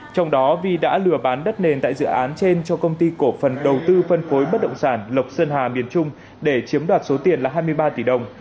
trong đó vi đã lừa bán đất nền tại dự án trên cho công ty cổ phần đầu tư phân phối bất động sản lộc sơn hà miền trung để chiếm đoạt số tiền là hai mươi ba tỷ đồng